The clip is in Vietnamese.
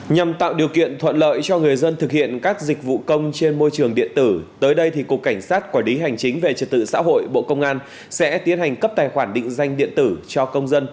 nhằm tạo điều kiện thuận lợi cho người dân thực hiện các dịch vụ công trên môi trường điện tử tới đây cục cảnh sát quản lý hành chính về trật tự xã hội bộ công an sẽ tiến hành cấp tài khoản định danh điện tử cho công dân